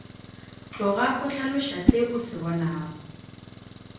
Tloga o hlaloša seo o se bonago.